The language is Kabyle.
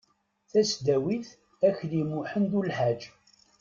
tasdawit akli muḥend ulḥaǧ